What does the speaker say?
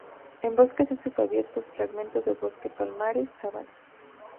En bosques densos o abiertos, fragmentos de bosques, palmares, sabanas.